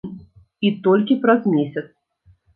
І толькі праз месяц.